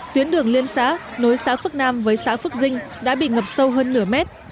tuyến đường liên xã nối xã phước nam với xã phước dinh đã bị ngập sâu hơn nửa mét